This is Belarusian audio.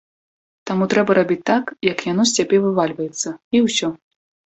Таму трэба рабіць так, як яно з цябе вывальваецца, і ўсё.